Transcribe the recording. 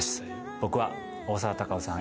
僕は大沢たかおさん